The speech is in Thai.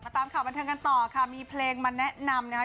ตามข่าวบันเทิงกันต่อค่ะมีเพลงมาแนะนำนะคะ